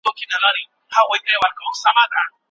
آیا د ښوونکو د هڅونې لپاره کوم مکافات شتون لري؟